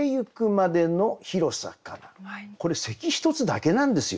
これ「咳ひとつ」だけなんですよ。